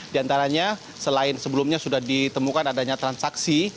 di antaranya selain sebelumnya sudah ditemukan adanya transaksi